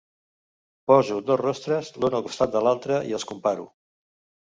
Poso dos rostres l'un al costat de l'altre i els comparo.